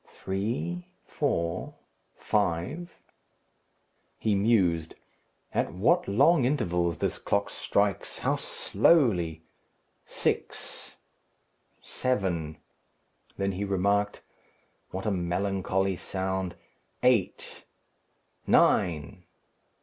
"Three, four, five." He mused. "At what long intervals this clock strikes! how slowly! Six; seven!" Then he remarked, "What a melancholy sound! Eight, nine!